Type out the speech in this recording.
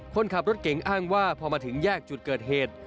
คนขับรถเก๋งอ้างว่าพอมาถึงแยกจุดเกิดเหตุ